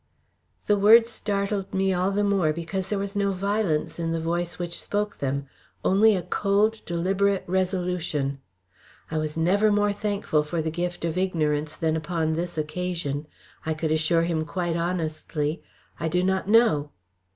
The words startled me all the more because there was no violence in the voice which spoke them only a cold, deliberate resolution. I was nevermore thankful for the gift of ignorance than upon this occasion. I could assure him quite honestly, "I do not know."